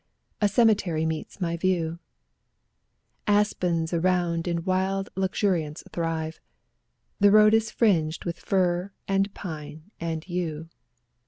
a cemetery meets my view; Aspens around in wild luxuriance thrive, The road is fringed with fir and pine and yew.